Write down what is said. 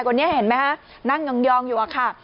คนนี้เห็นไหมฮะนั่งยองอยู่อะค่ะ